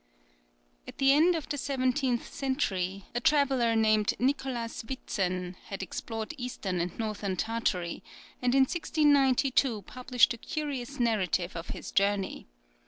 At the end of the seventeenth century, a traveller named Nicolas Witzen had explored eastern and northern Tartary, and in 1692 published a curious narrative of his journey.